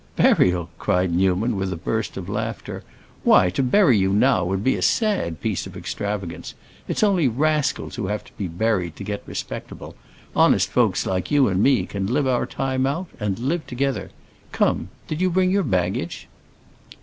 "Burial!" cried Newman, with a burst of laughter. "Why, to bury you now would be a sad piece of extravagance. It's only rascals who have to be buried to get respectable. Honest folks like you and me can live our time out—and live together. Come! Did you bring your baggage?"